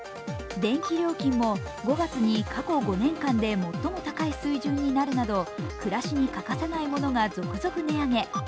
電気料金も５月に過去５年間で最も高い水準になるなど暮らしに欠かせないものが続々値上げ。